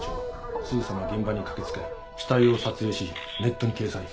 すぐさま現場に駆け付け死体を撮影しネットに掲載。